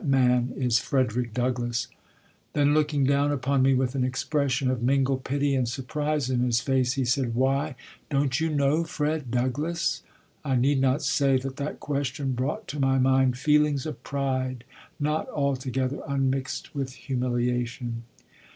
That man is Frederick Douglass." Then looking down upon me with an expression of mingled pity and surprise in his face, he said: "Why, don't you know Fred Douglass?" I need not say that that question brought to my mind feelings of pride not altogether unmixed with humiliation.